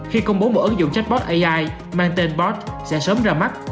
khi công bố một ứng dụng chatbot ai mang tên bót sẽ sớm ra mắt